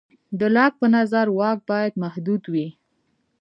د لاک په نظر واک باید محدود وي.